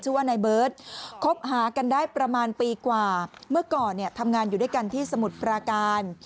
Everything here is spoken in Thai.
ชื่อว่านายเบิร์ตคบหากันได้ประมาณปีกว่าเมื่อก่อนเนี่ยทำงานอยู่ด้วยกันที่สมุทรปราการ